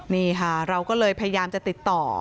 นี่ค่ะเราก็เลยพยายามจะติดต่อ